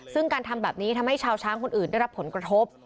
ซึ่งการทำแบบนี้ทำให้ชาวช้างคนอื่นได้รับผลกระทบ